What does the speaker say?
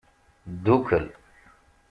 Ddukel.